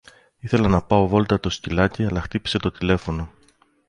Ήθελα να πάω βόλτα το σκυλάκι αλλά χτύπησε το τηλέφωνο.